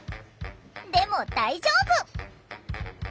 でも大丈夫！